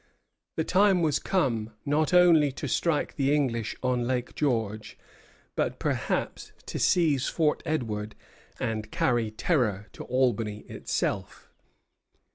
The time was come, not only to strike the English on Lake George, but perhaps to seize Fort Edward and carry terror to Albany itself.